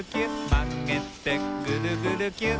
「まげてぐるぐるキュッ」